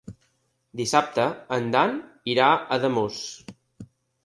Dissabte en Dan irà a Ademús.